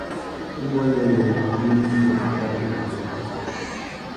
Imuênê yê ngu mú djï tu saki nà pêh.